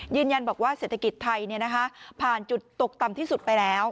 ยืนยันบอกว่าเศรษฐกิจไทยผ่านจุดตกต่ำที่สุดไปแล้ว